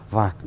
và đảm bảo